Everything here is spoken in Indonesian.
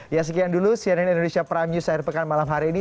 ya sekian dulu cnn indonesia prime news akhir pekan malam hari ini